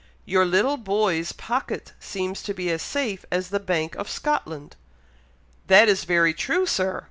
"Your little boy's pocket seems to be as safe as the Bank of Scotland." "That is very true, Sir!